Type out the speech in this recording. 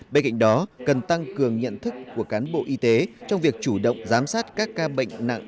bên cạnh đó cần tăng cường nhận thức của cán bộ y tế trong việc chủ động giám sát các ca bệnh nặng